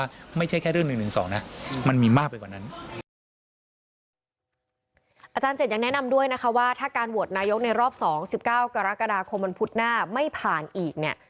และที่ก้ากรกฎาคมมันผุดหน้าไม่ผ่านอีก